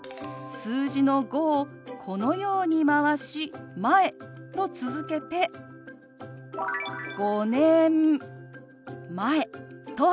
数字の「５」をこのように回し「前」と続けて「５年前」と表します。